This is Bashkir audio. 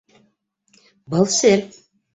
Был сер.